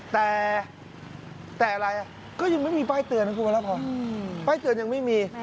แต่อะไรก็ยังไม่มีป้ายเตือนนะคุณวรพรป้ายเตือนยังไม่มี